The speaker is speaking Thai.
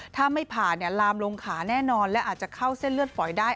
ถ้าไม่ผ่านลามลงขาแน่นอนและอาจจะเข้าเส้นเลือดฝอยได้